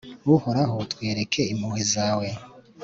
uhoraho, twereke impuhwe zawe